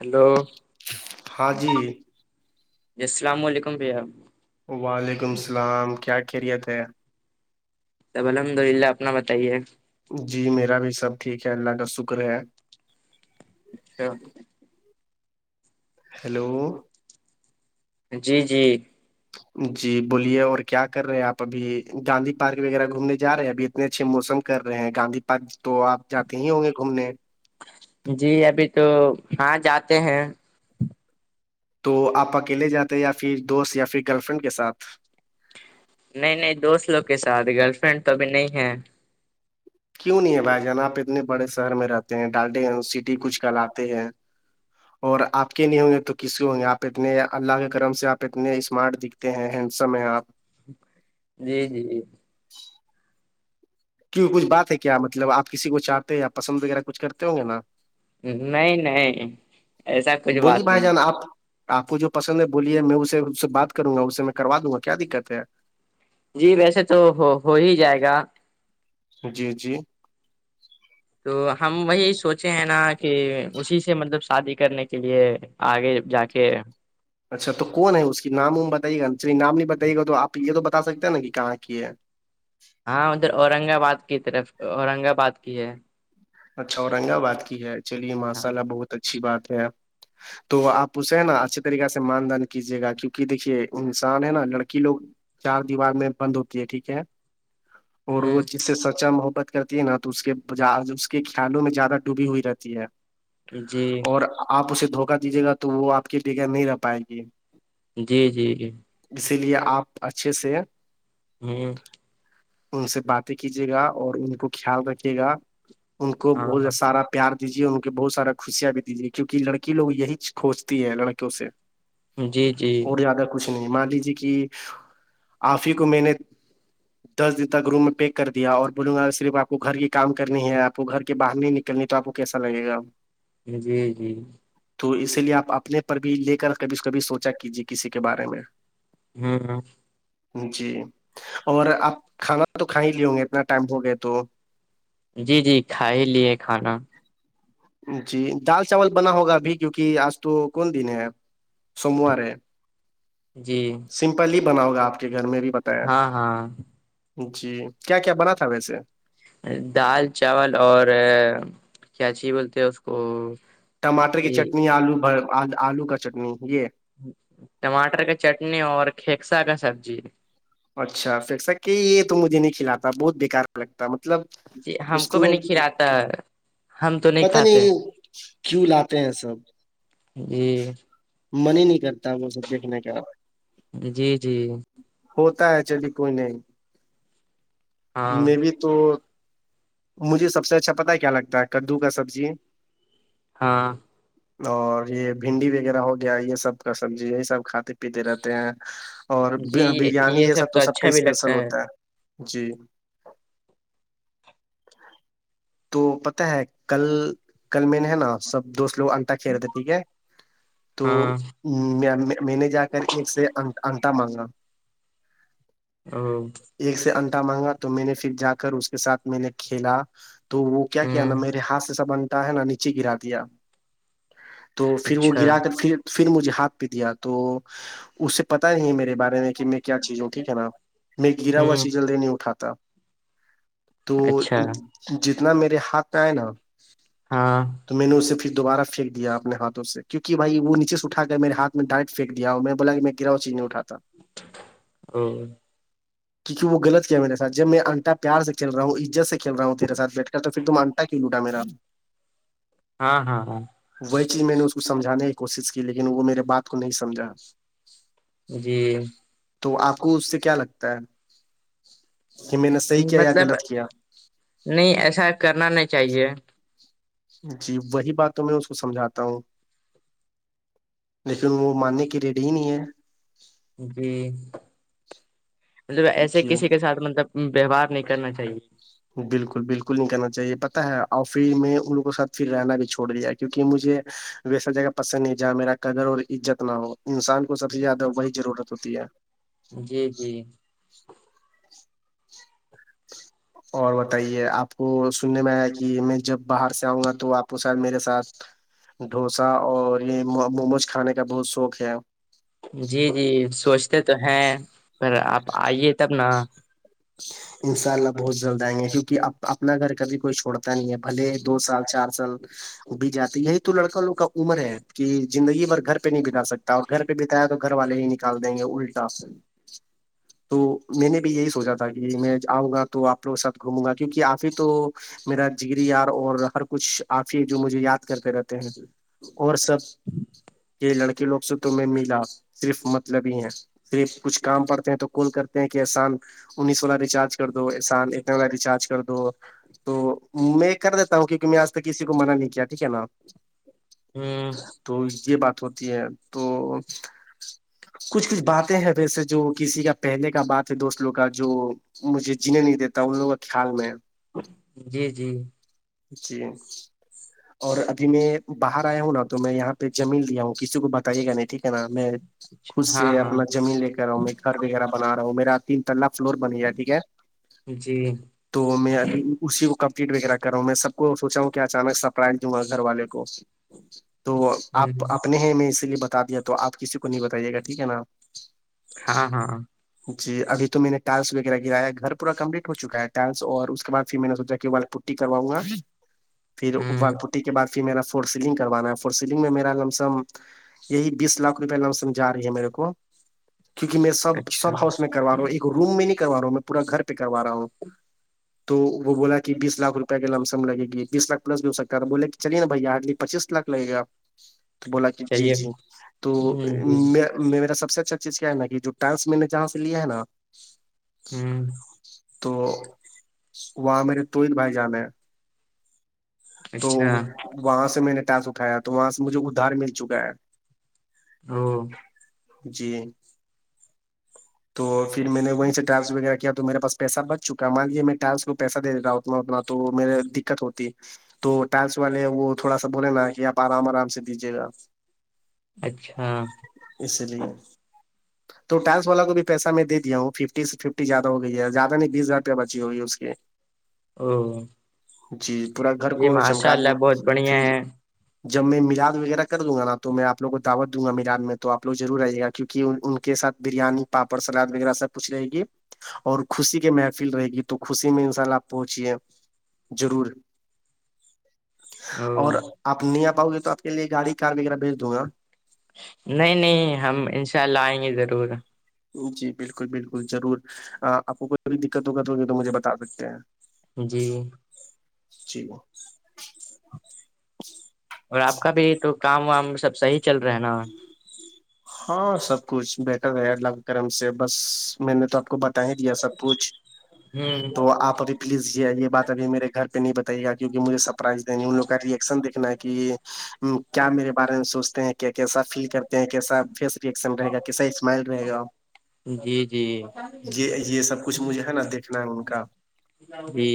hello ہاں جی جی بھیا وعلیکم السلام کیا خیریت ہے تب الحمد للہ اپنا بتائیے جی میرا بھی سب ٹھیک ہے اللہ کا شکر ہے اچھا ہیلو جی جی جی بولیے اور کیا کر رہے ہیں آپ ابھی گاندھی پارک وغیرہ گھومنے جا رہے ہیں ابھی اتنے اچھے موسم کر رہے ہیں گاندھی پارک تو آپ جاتے ہی ہوں گے گھومنے جی ابھی تو ہاں جاتے ہیں تو آپ اکیلے جاتے یا پھر دوست یا پھر گرل فرینڈ کے ساتھ نہیں نہیں دوست لوگ کے ساتھ گرل فرینڈ تو ابھی نہیں ہے کیوں نہیں ہے بھائی جان آپ اتنے بڑے شہر میں رہتے ہیں ڈالٹے ہیں سٹی کچھ کرلاتے ہیں اور آپ کے لیے ہوں گے تو کس ہوں گے آپ اتنے اللہ کے کرم سے آپ اتنے اسمارٹ ہیں ہینڈسم ہیں آپ جی جی جی کیوں کچ بات ہے کیا مطلب آپ کسی کو چاہتے ہیں یا پسند وغیرہ کچھ کرتے ہوں گے نا نہیں نہیں ایسا کچھ بولیے بات بھائی نہیں جان ہے آپ آپ کو جو پسند ہے بولیے میں اسے اس سے بات کروں گا اسے میں کروا دوں گا کیا دقت ہے جی ویسے تو ہو ہو ہی جائے گا جی جی تو ہم وہی سوچے ہیں نا کہ اسی سے مطلب شادی کرنے کے لیے آگے جا کے اچھا تو کون ہے اس کی نام ووم بتائی گا چلیے نام نہیں بتائیے گا تو آپ یہ تو بتا سکتے ہیں نا کہ کہاں کی ہے ہاں ادھر اورنگ آباد کی طرف اورنگ آباد کی ہے اچھا اورنگ آباد کی ہے چلیے ماشاء ہاں اللہ بہت اچھی بات ہے تو آپ اسے ہے نا اچھے طریقے سے مان دن کیجیے گا کیونکہ دیکھیے انسان ہے نا لڑکی لوگ چار دیوار میں بند ہوتی ہے ٹھیک ہے اور وہ ہ جس سے سچا محبت کرتی ہے نا تو اس کے کیالوں میں زیادہ ڈوبی ہوئی رہتی ہے جی اور آپ اسے دھوکا دیجیے گا تو وہ آپ کے بغہ نہیں رہ پائے گی جی جی جی اسی لیے آپ اچھے سے ہاں ان سے باتیں کیجیے گا اور ان کو خیال رکھیے گا ان کو ہاں بہت سارا پیار دیجیے اور ان کے بہت سارا خوشیاں بھی دیجیے کیونک لڑی لوگ یہی کھوجتی ہیں لڑکیوں سے جی جی اور زیادہ کچھ نہیں مان لیجیے کہ آفی کو میں نے دس دن تک روم میں پیک کر دیا اور بولوں گا صرف آپ کو گھر کی کام کرنی ہے آپ آپ کو گھر کے باہر نہیں نکلنے تو آپ کو کیسا لگے گا جی جی تو اسی لیے آپ اپنے پر بھی لے کر کبھی کبھی سوچا کیجے کسی کے بارے میں ہوں ہ جی اور آپ کھانا تو کھا ہی لیے ہ گے اتنا ٹائم ہو گیا تو جی جی کھا ہی لیے کھانا جی دال چاول بنا ہوگا ابھی کیوںکہ آج تو کون دن ہےپ سوموار ہے جی سمپلی ہی بناؤ گا آپ کے گھر میں بھی بتا ہاں ہاں جی کیا کیا بنا تھا ویسے دال چاول اور کیاچی بولتے ہیں اس کو ٹماٹر کی چٹنی آلو بھر آلو کا چٹنی یہ ٹماٹر کا چٹنی اور کھییکسا کا سبزی اچھا فسا کہ یہ تو مجھے نہیں کھلااتا بہت بےکار لگتا مطلب جی ہم اس بھی کو نہیں کھلاتا ہے ہم تو پتا کھاتے نہیں کیوں لاتے ہیں سب ج من ہی نہیں کرتا وہ سب دیکھنے کا جی جی ہوتا ہے چلی کوئی نہیں ہاں م بھی تو مجھے سب سے اچھا پتا ہے کیا لگتا ہے کدو کا سبزی ہاں [inaudible] اور یہ بھنڈی وغیرہ ہو گیا یہ سب کا سبزی یہی سب کھاتے پیتے رہتے ہیں اور جی بریانی یہ سب تو سب کا اسپیشل ہوتا ہے جی تو پت ہے کل کل میں نے ہے نا سب دوست لوگ چ رہتے ٹھیک ہے تو ہاں میں نے جا کر ایک سے انٹا مانگا او ایک سے انٹا مانگا تو میں نے پھر جا کر اس کے ساتھ میں نے کھیلا تو وہ کیا کیا ہوں نا میرے ہاتھ سے سا بنتا ہے نا نیچے گرا دیا تو پھر وہ اچھا گرا کر پھر پھر مجھے ہاتھ پہ دیا تو اس سے پتا نہیں میرے بارے میں میں کیا چیز ہوں ٹھیک ہے نا میں گرا ہوا ہوں چیز جلدی نہیں اٹھاتا تو اچھا جتنا میرے ہاتھ میں آئے نا ہاں تو میں نے اس پھر دوبارہ پھین دیا اپنے ہاتھوں سے کیونک بھائی وہ نیچ سےٹھا کریرےاتھ میں ڈائریکٹ پن دیا اور میں بولا کہ میں گراؤ چی نہیںٹھاتا ا کیونک وہ غط کیا ہے میرےاتھ جب میں انٹ پار سے چل رہا ہوں عزت سے کھی رہا ہوںیرےاتھ بیٹ کر تو پھر تم انٹ کلوٹا میرا ہاں ہاں ہاں وہی چیز میں نے اس کو سمجھانے کی کوشش کی لیکن وہ میرے بات کو نہیں سمھا جی تو آپ کو اس سے کیا لگتا ہے کہ میں نے صحیح کیا یا مطلب غلط کیا نہیں ایسا کرنا نہیں چاہیے جی وہی بات تو میں اس کو سمجھاتا ہوں لیکن وہ ماننے کی ریڈی ہی نہیں ہے جی مطلب ایسے جی کسی کے ساتھ مطلب ویوہار نہیں کرنا چاہیے بالکل بالکل نہیں کرنا چاہیے پتہ ہے اور پھر میں ان لوگوں سھ پھر رہنا بھی چھوڑ دیا کیونکہ مجھے ویسا جگہ پسند نہیں جہاں میرا قدر اور عزت نہ ہو انسان ستی یاد ہو وہی ضرورت ہوتی ہے جی جی [unintelligible] [unintelligible] اور بتائیے آپ کو سننے میں آیا کہ میں جب باہر سے آؤں گا تو آپ کو شاید میرے ساتھ ڈھوسا اور یہ موموز کھانے کا بہت شوق ہے جی جی سوچتے تو ہیں پر آپ آئیے تب نا انشاء اللہ بہت جلد آئیں گے کیونکہ کہ اپنا گھر کبھی کوئی چھوڑتا نہیں ہے بھلے دو سال چار سال بھی جاتی یہی تو لڑکا لوگ کا عمر ہے کہ زندگی بھر گھر پہ نہیں بگا سکتے گھر پہ بتایا تو گھر والے ہی نکال دیں گے الٹا سے تو میں نے بھی یہی سوچا تھا میں آؤں گا تو آپ لوگ ساتھ گھوموں گا کیونکہ آپ ہی تو میرا جیری یار اور ہر کچھ آفی جو مجھے یاد کرتے رہتے ہیں اور سب یہ لڑکے لوگ سے تمہیں ملا صرف مطلب ہی ہے پریف کچھ کام پڑتے ہیں تو کل کرتے ہیں کہ احسان انیس والا ریچارج کر دو سال اک والا ریچارج کر دو تو میں کر دیتا ہوں کیونکہ میں آج تک کسی کو منع نہیں کیا ٹھیک ہے نا ہوں تو یہ بات ہوتی ہے تو کچھ کچھ باتیں ہے ویسے جو کسی کا پہنے کا بات ہے دوست لوگ کا جو مجھے جینے نہیں دیتا ان لوگوں کا خیال میں جی جی جی اور ابھی میں باہر آیا ہوں نا تو میں یہاں پہ جمیین لیا ہوں کسی کو بتائیے گا نہیں ٹھیک ہے نا میں خود اچھا ہاں سے اپنا ہاں زمین لے کرا ہوں میں گھر وغیرہ بنا رہا ہوں میرا تین تق فلور بن ج ٹھیک ہے جی تو میں اسی کو کمپلیٹ وغیرہ کر رہا ہوں میں سب کو سوچا ہوں کہ اچانک سرپرائز دوں گا گھر والے کو [unintelligible] تو ہ آپ اپنے ہیں میں اسی لیے بتا دیا تو آپ کسی کو نہیں بتائیے گا ٹھیک ہے نا ہاں ہاں جی ابھی تو میں نے ڈانس وغیرہ گایا گھر پورا کمپلیٹ ہو چکا ہے ڈانس اور اس کےعد پھر میں نے سوچا کہ پٹی کراؤںا ہ پھرال پٹی کے بد پھر میرا فور سلنگ کروانا ہے فور سلنگ میں میرا لم سم یہی بیس لاکھ روپئے لمسم جا رہی ہے میرے کو کیونکہ میں سب اچھا سب ہاؤس میں کروا رہا ہوں ایک روم میں نہیں کروا رہا ہوں میں پورا گھر پہ کروا رہا ہوں [unintelligible] تو وہ بولا کہ بیس لاکھ روپیہ کے لم سم لگے گی بیس لاکھ پلس بھی ہو سکتا تھا بولے کہ چلیے نا بھیا ہارلی پچیس لاکھ لگ گا تو بولا کہ جی چلیے جی تو ہ جی میں میرا سب سے اچھا چیز کیا ہے نا کہ جو ٹانس میں نے جہاں سے لیا ہے نا ہ تو وہاں میرے توہید بھائی جانے ہیں تو اچھا وہاں سے میں نے ٹاس اٹھایا تو وہاں سے مجھے ادھار مل چکا ہے او جی تو پھر میں نے وہیں سےٹریس وغیرہ کیا تو میرا پاس پیسہ بچ چکا مان لیے میں ٹس کو پیس دے رہا ہ اتنا اتنا تو میرے دقت ہوتی تو ٹیکس والے وہ تھوڑا سا بولے نا کہ آپ آرام آرام سے دیجیے گا اچھا اس لیے تو ٹلس والا کو بھی پیسہ میں دیا ہ ففٹی سے ففٹی زیادہ ہو گئی ہے زیادہ نہیں بیس ہزار روپ بچی ہوگی اس کی او جی پورا گھر یہ کو ماشاء چمکا دوں اللہ گا بہت بڑھیا پھر ہے جب میں میلاد وغیرہ کر دوں گا نا تو میں آپو کو دعوت دوں گا ملاعد توپ لوگضرور رہ جے گا کیوںک ان کے ساتھ بریانی پاپڑ سلاد وغیرہ سب کچھ رہے گی اور خوشی کے محفل رہے گی تو خوشی میں ان شاء ال آپ پہنچیے ضرور اور او آپ نہیں آ پاؤ گے تو آپ کے لیے گاڑی کار وغیرہ بھیج دوں گا نہیں نہیں ہم ان شاء اللہ آئیں گے ضرور جی بالکل بالکل ضرور آپ کو کوئیھی دقت وقت ہوگی تو مجھے بتا سکتے ہیں جی جی اور آپ کا بھی تو کام وام سب صحیح چل رہا ہے نا ہاں سب کچھ بہٹر ہے الگ گم سے بس میں نے تو آپ کو ہے دیا سب کچھ تو نا آپ ابھی پلیز یہ یہ بات ابھی میرے گھر پہ نہیں بتائی گا کیکہ مجھے سرپرائز دینی ان لوگ کا ریئیکشن دیکھنا کہ یہ کیا میرے بارے میں سوچتے ہیں کیا کیسا فیل کرتے ہیں کیسا فیس ریکشن رہےا کیسا اسمائل رہے گا جی جی یہ سب کچھ مجھے ہے نا دیکھنا ہے ان کا جی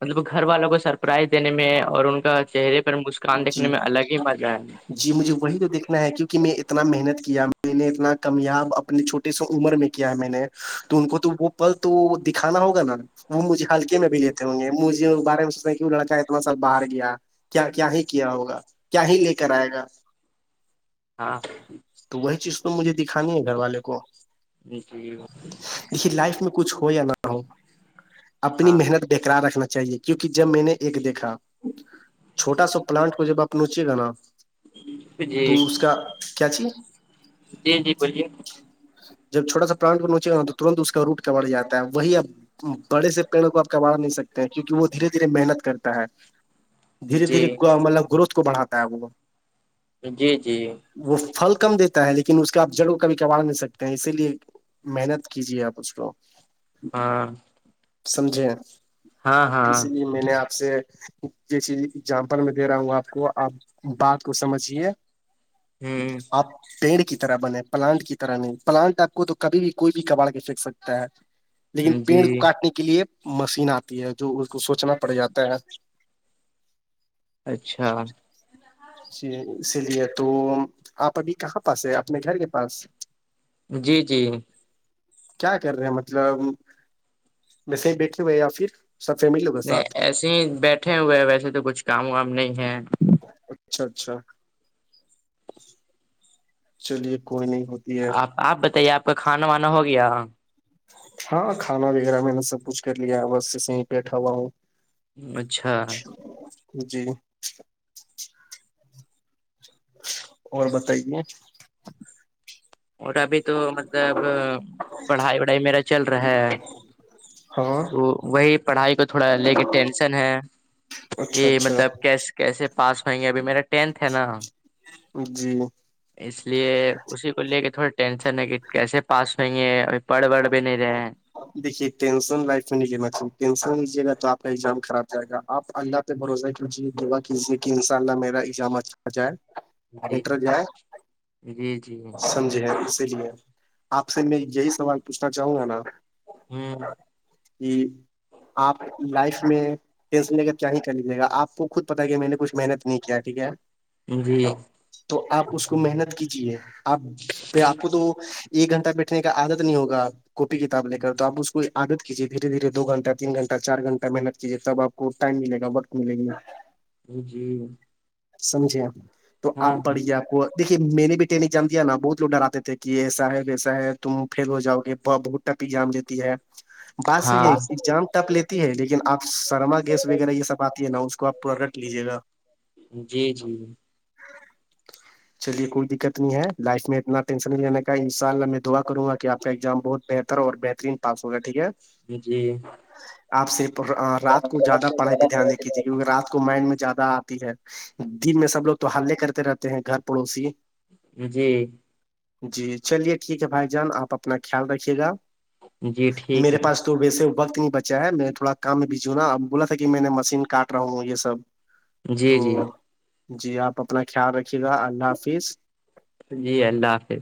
مطلب گھر والوں کو سرپرائز دینے میں اور ان کا چہرے پہ پھر مسکان دیکھنے جی میں الگ ہی مزہ آ ہے جی مجھے وہی تو دیکھنا ہے کیونکہ میں اتنا محنت کیا میں نے اتنا کمیاب اپنے چھوٹے سو عمر میں کیا ہے میں نے تو ان کو تو وہ پل تو دکھانا ہوگا نا وہ مجھے ہلکے میں بھی لیتے ہوں گے مجھے بارے میں سوچنا کہ وہ لڑکا اتنا سا باہر گیا کیا کیا ہی کیا ہوگا کیا ہی لے کر آئے گا ہاں تو وہی چیز تو مجھے دکھانی ہے گھر والے کو نیچ یہ بات لیکے لائف میں کچھ ہو یا نہ ہو اپنی ہاں محنت بقرار رکھنا چاہیے کیونکہ جب میں نے ایک دیکھا چھوٹا سا پلانٹ کو جب آپ نچیے گا نا جی تو اس کا کیا چاہیے جی جی بولیے جب چھوا سا پرانٹ پ ننچے گا تو ترنت اس کا روٹ کمڑ جاتا ہے وہی اب بڑے سے پیڑوں کو آپ کبا نہیں سکتے ہیں کیونکہ وہ دھیرے دھیرے محنت کرتا ہے دھیرے دھیرے جی مطلب گروتھ کو بڑھاتا ہے وہ جی جی وہ پل کم دیتا ہے لیکن اس کے آپ جڑ کبھی کباڑ نہیں سکتے اسی لیے محنت کیجیے آپ اس کو ہاں سمجھے ہاں ہاں اسی لیے میں نے آپ سے جی چیز اگزامپل میں دے رہا ہوں آپ کو آپ بات کو سمجھیے ہوں آپ پیڑ کی طرح بنے پلانٹ کی طرح نہیں پلانٹ آ کو تو کبھی بھی کوئی بھی کباڑ کے پھینک سکتا ہے لیکن جی پیڑ کو کاٹنے کے لیے مشین آتی ہے جو اس کو سوچنا پڑ جاتا ہے اچھا اسی لیے تو آپ ابھی کہاں پاس ہیں اپنے گھر کے پاس جی جی کیا کر رہے ہیں مطلب ویسے ہی بیٹھے ہوئے یا پھر سب فیملی نہیں ایسے ہی بیٹھے ہوئے ہیں ویسے تو کچھ کام وام نہیں ہے اچھا اچھا چلیے کوئی نہیں ہوتا آپ آپ بتائیے آپ کا کھانا وانا ہو گیا ہاں کھانا وغیرہ میں نے سب کچھ کر لیا بس بیٹا ہوا ہوں اچھا جی اور بتائیے اور ابھی تو مطلب پڑھائی وڑھائی میرا چل رہا ہے ہاں تو وہی پڑھائی کو تھوڑا لے کے ٹینشن ہے کہ اچھا اچھا مطلب کیس کیسے پاس ہوائیں گے ابھی میرا ٹینتھ ہے نا جی اس لیے اسی کو لے کے تھوڑا ٹینشن ہے کہ کیسے پاس ہوئ گے اھی پڑھ بڑ بھی نہیں رہے دیکھیے ٹینسن لائف میں نہیں ج ٹینشن لیجیے گا تو آپ کا ایگزام خراب جائے گا آپ اللہ بھروسہ کیجے دعا کیجیے کہ ان شاء اللہ میرا ایجامت چائے جی متر جائے جی جی اسی لی ہے آپ سے میں یہی سوال پوچھنا چاہوں گا نا ہوں کہ آپ لائف میں سے کیا ہی چلیجیے گا آپ کو خود پتا ہے کہ میں نے کچھ محنت نہیں کیا ٹھیک ہے جی تو آپ اس کو محنت کیجیے آپ پھر آپ کو تو ایک گھنٹہ بیٹھنے کا عادت نہیں ہوگا کاپی کی کتاب لے کر تو آپ کو عادت کیجیے دھیرے دھیے دو گھنٹ تین گھٹہ چار گھٹہ محنت کییے تبپ ٹائم ملے گا بٹ ملے گی جی سمجھے تو آپ ہاں پڑیا کو دیکھیے میں نے بھی ٹینک جام دیا نا بہت لوگ ڈراتے تھے کہ ایسا ہے ویسا ہے تم فیل ہو جاؤ گے بہت ٹپی جام دیتی ہے بات صحی ہاں ہےزام ٹپ لیتی ہے لیکن آپ سرما گیس وغیرہ یہ سب آتی ہے نا اس کو آپ پورا رکھ لیجیے گا جی تو چلیے کوئی دقت نہیں ہے لائف میں اتنا ٹینشن نہیں رہنے کا ان شاء اللہ میں دعا کروں گا کہ آ کا اگزام بہت بہت اور بہترین پاس ہوگا ٹھیک ہے جی آپ سے رات کو زیادہ پڑھائی پہ دھیان دےکھجیے کیونکہ رات کو کو مائنڈ میں زیادہ آتی ہے دن میں سب لوگ تو حلے کرتے رہتے ہیں گھر پڑوسی جی جی چلیے ٹھیک ہے بھائی جان آپ اپنا خیال رکھیے گا جی ٹھیک میرے ہے پاس تو ویسے وقت نہیں بچا ہے میں تھوڑا کام میں بھیجھوں نا اب بولا تھا کہ میں نے مشین کاٹ رہا ہوں یہ سب تو جی جی جی آپ اپنا خیال رکھیے گا اللہ حافظ جی اللہ حافظ